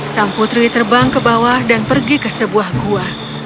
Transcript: sang putri terbang ke bawah dan pergi ke sebuah gua